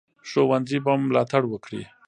ښوونځي به ملاتړ وکړي.